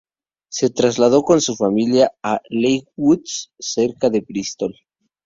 Se trasladó con su familia a Leigh Woods, cerca de Bristol.